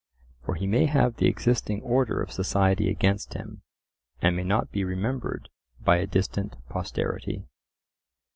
For he may have the existing order of society against him, and may not be remembered by a distant posterity.